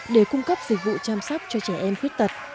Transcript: để cung cấp dịch vụ chăm sóc cho trẻ em khuyết tật